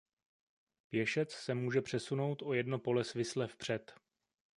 Pěšec se může přesunout o jedno pole svisle vpřed.